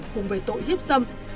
cùng với tội hiếp dâm